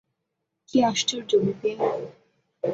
কী আশ্চর্য বিপিন!